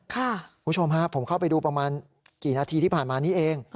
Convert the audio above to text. คุณผู้ชมฮะผมเข้าไปดูประมาณกี่นาทีที่ผ่านมานี้เอง